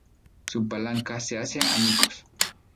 Su palanca se hace añicos.